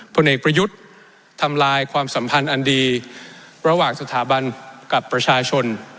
ผลเอกประยุทธ์ทำลายความสัมพันธ์อันดีระหว่างสถาบันกับประชาชน